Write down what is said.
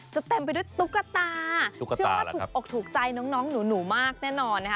จะเต็มไปด้วยตุ๊กตาตุ๊กตาร่ะครับชื่อว่าถูกออกถูกใจน้องน้องหนูหนูมากแน่นอนนะฮะ